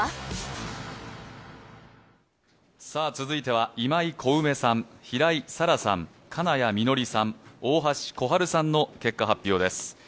続いては、今井小梅さん、平井沙良さん、金谷実紀さん、大橋小春さんの結果発表です。